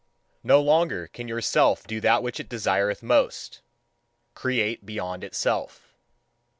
No longer can your Self do that which it desireth most: create beyond itself.